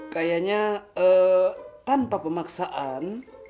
kayanya ee tanpa pemaksaan